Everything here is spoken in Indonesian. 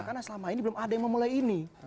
karena selama ini belum ada yang memulai ini